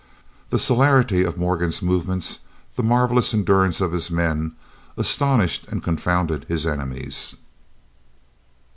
The celerity of Morgan's movements, the marvellous endurance of his men, astonished and confounded his enemies.